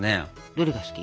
どれが好き？